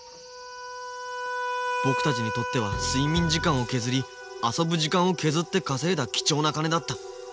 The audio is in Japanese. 僕たちにとっては睡眠時間を削り遊ぶ時間を削って稼いだ貴重な金だった。